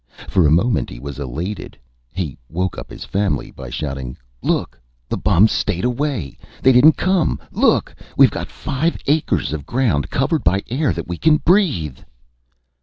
For a moment he was elated. He woke up his family by shouting: "Look! The bums stayed away! They didn't come! Look! We've got five acres of ground, covered by air that we can breathe!"